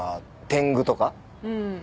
うん。